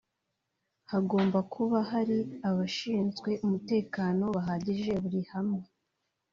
hagomba kuba hari abashinzwe umutekano bahagije buri hamwe